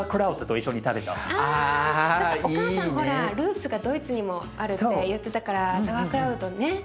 お母さんほらルーツがドイツにもあるって言ってたからザワークラウトね。